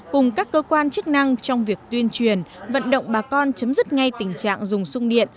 cùng các cơ quan chức năng trong việc tuyên truyền vận động bà con chấm dứt ngay tình trạng dùng sung điện